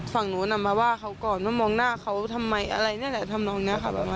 ฝั่งนู้นมาว่าเขาก่อนว่ามองหน้าเขาทำไมอะไรนี่แหละทำนองนี้ค่ะ